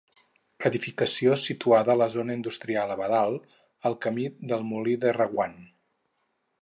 Edificació situada en la zona industrial Abadal, al camí del molí de Reguant.